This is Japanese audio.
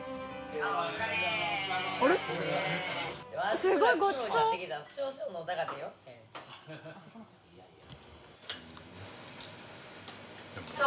すごいごちそう！